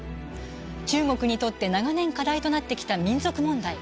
中国にとって長年課題となってきた民族問題。